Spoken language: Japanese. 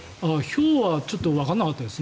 ひょうはちょっとわからなかったです。